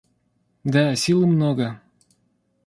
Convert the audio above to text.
Да, силы много.